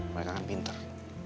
mereka kan pinter